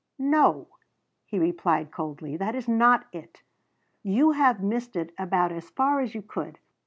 "No," he replied coldly, "that is not it. You have missed it about as far as you could.